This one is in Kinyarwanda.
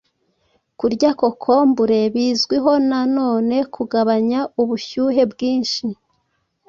Kurya kokombure bizwiho na none kugabanya ubushyuhe bwinshi